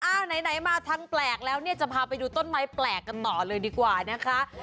ไหนมาทางแปลกแล้วเนี่ยจะพาไปดูต้นไม้แปลกกันต่อเลยดีกว่านะคะ